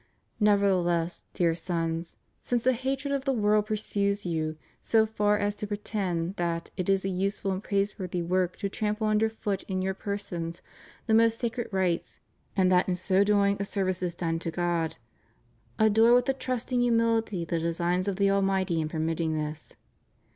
Nevertheless, dear Sons, since the hatred of the world pursues you so far as to pretend that it is a useful and praiseworthy work to trample under foot in your persons the most sacred rights and that in so doing, a service is done to God, adore with a trusting humility the designs of the Almighty in permitting this.